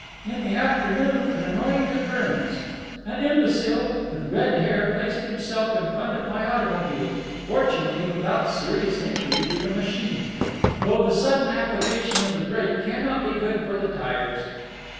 In the afternoon an annoying occurrence. An imbecile with red hair placed himself in front of my automobile, fortunately without serious injury to the machine—though the sudden application of the brake cannot be good for the tyres.